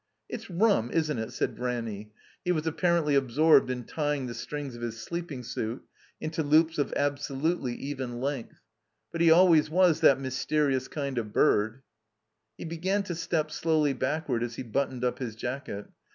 *'It's rum, isn't it?" said Ranny. He was appar ently absorbed in tying the strings of his sleeping suit into loops of absolutely even length, But he al ways was that mysterious kind of bird." He began to step slowly backward as he buttoned up his jacket.